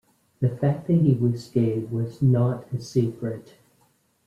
The fact that he was gay was not a secret.